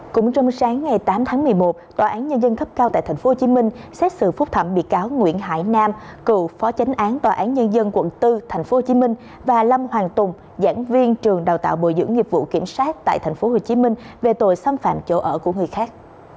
cũng trong sáng ngày tám tháng một mươi một tòa án nhân dân cấp cao tại tp hcm xét xử phúc thẩm bị cáo nguyễn hải nam cựu phó tránh án tòa án nhân dân quận bốn tp hcm và lâm hoàng tùng giảng viên trường đào tạo bồi dưỡng nghiệp vụ kiểm soát tại tp hcm về tội xâm phạm chỗ ở của người khác